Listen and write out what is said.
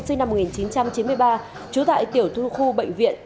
sinh năm một nghìn chín trăm chín mươi ba trú tại tiểu khu bệnh viện